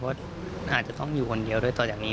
เพราะอาจจะต้องอยู่คนเดียวด้วยต่อจากนี้